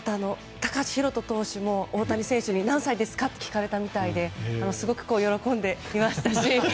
高橋宏斗投手も大谷選手に何歳ですか？と聞かれたみたいですごく喜んでいましたし。